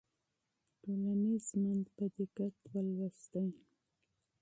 ټولنیز ژوند په دقت مطالعه کړئ.